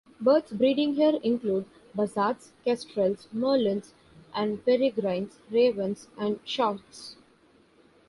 Birds breeding here include buzzards, kestrels, merlins and peregrines, ravens and choughs.